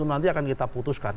nanti akan kita putuskan